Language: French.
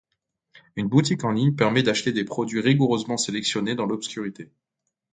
Une boutique en ligne permet d'acheter des produits rigoureusement sélectionnés dans l'obscurité.